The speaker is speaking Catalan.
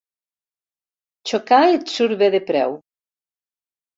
Xocar et surt bé de preu.